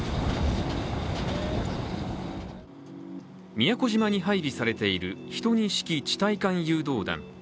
宮古島に配備されている１２式地対艦誘導弾。